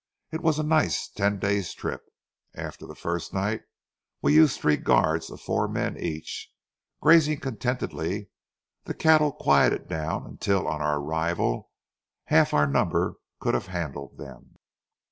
It was a nice ten days' trip. After the first night, we used three guards of four men each. Grazing contentedly, the cattle quieted down until on our arrival half our numbers could have handled them.